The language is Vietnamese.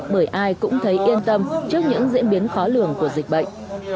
bởi ai cũng thấy yên tâm trước những diễn biến khó lường của dịch bệnh